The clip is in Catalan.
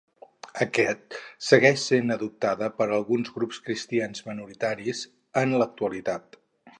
Aquest segueix sent adoptada per alguns grups Cristians minoritaris en l'actualitat.